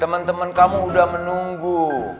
teman teman kamu sudah menunggu